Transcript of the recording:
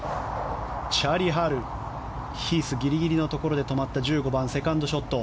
チャーリー・ハルヒースギリギリのところで止まった１５番、セカンドショット。